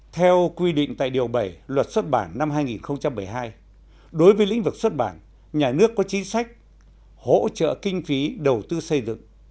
theo quy định tại điều bảy luật xuất bản năm hai nghìn một mươi hai đối với lĩnh vực xuất bản nhà nước có chính sách hỗ trợ kinh phí đầu tư xây dựng